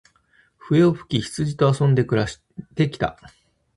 笛を吹き、羊と遊んで暮して来た。